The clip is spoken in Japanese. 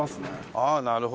ああなるほどね。